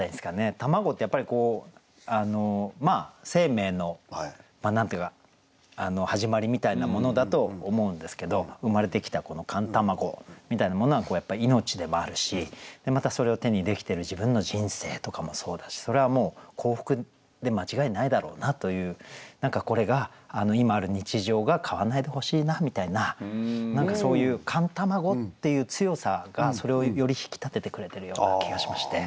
卵ってやっぱり生命の何て言うか始まりみたいなものだと思うんですけど生まれてきたこの寒卵みたいなものはやっぱり命でもあるしまたそれを手にできてる自分の人生とかもそうだしそれはもう幸福で間違いないだろうなという何かこれが今ある日常が変わんないでほしいなみたいな何かそういう寒卵っていう強さがそれをより引き立ててくれてるような気がしまして。